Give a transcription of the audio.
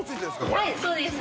はいそうです。